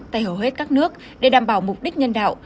tại hầu hết các nước để đảm bảo mục đích nhân đạo